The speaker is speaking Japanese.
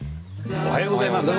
おはようございます。